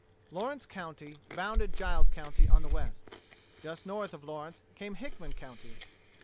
Lawrence County bounded Giles County on the west. Just north of Lawrence came Hickman County.